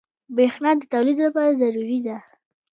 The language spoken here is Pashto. بریښنا د تولید لپاره ضروري ده.